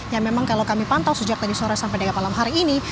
yang memang kalau kami pantau sejak tadi sore sampai dengan malam hari ini